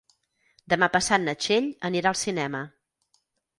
Demà passat na Txell anirà al cinema.